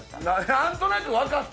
何となく分かった？